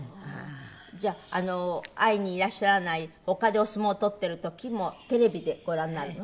じゃあ会いにいらっしゃらない他でお相撲を取ってる時もテレビでご覧になるの？